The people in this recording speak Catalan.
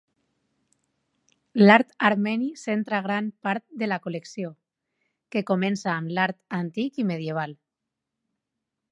L'art armeni centra gran part de la col·lecció, que comença amb l'art antic i medieval.